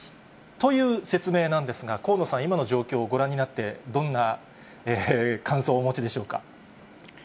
という説明なんですが、河野さん、今の状況をご覧になって、どんな感想をお持ちでしょうか。